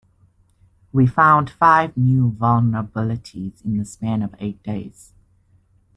We found five new vulnerabilities in the span of eight days.